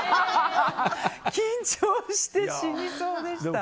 緊張して死にそうでした。